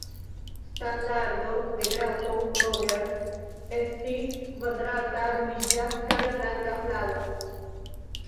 Standardo de grafo Roger estis kvadrata ruĝa kaj blanka flago.